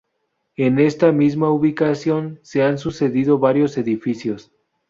En esta misma ubicación se han sucedido varios edificios.